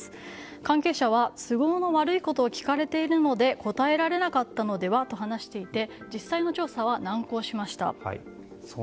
関係者は、都合の悪いことを聞かれているので答えられなかったのではと話していて実際の調査は難航しました。